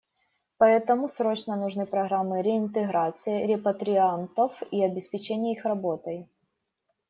Поэтому срочно нужны программы реинтеграции репатриантов и обеспечения их работой.